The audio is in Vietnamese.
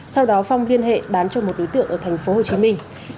sau đó phong liên hệ bán cho một đối tượng ở thành phố hồ chí minh